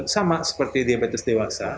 sama seperti diabetes dewasa